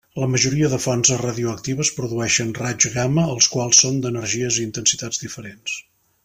La majoria de fonts radioactives produeixen raigs gamma, els quals són d'energies i intensitats diferents.